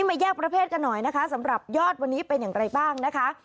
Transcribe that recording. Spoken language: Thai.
มาแยกประเภทกันหน่อยนะคะสำหรับยอดวันนี้เป็นอย่างไรบ้างนะคะ